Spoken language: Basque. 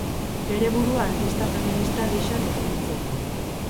Bere burua artista feminista gisa definitzen du.